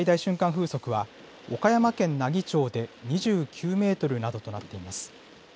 風速は、岡山県奈義町で２９メートルなどとなっています。